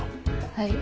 はい。